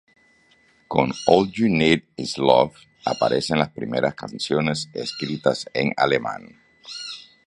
Con All You Need Is Love aparecen las primeras canciones escritas en alemán.